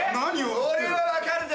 俺は分かるぜ。